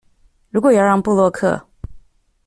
如果要讓部落客